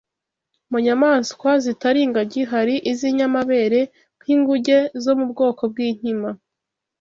Mu nyamaswa zitari ingagi hari iz’inyamabere nk’inguge zo mu bwoko bw’inkima